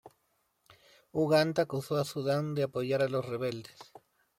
Uganda acuso a Sudán de apoyar a los rebeldes.